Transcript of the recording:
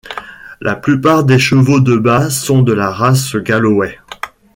La plupart des chevaux de bât sont de la race Galloway.